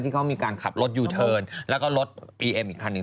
ที่เขามีการขับรถยูเทิร์นแล้วก็รถบีเอ็มอีกคันหนึ่ง